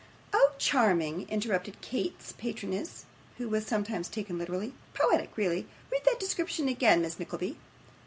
'Oh, charming!' interrupted Kate's patroness, who was sometimes taken literary. 'Poetic, really. Read that description again, Miss Nickleby.